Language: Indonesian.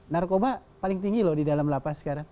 narkoba paling tinggi loh di dalam la pas sekarang